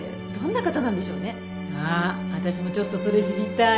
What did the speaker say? あっ私もちょっとそれ知りたい。